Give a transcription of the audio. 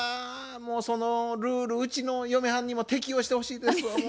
もうそのルールうちの嫁はんにも適用してほしいですわもう。